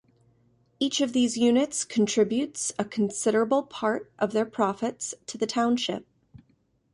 Each of these units contributes a considerable part of their profits to the township.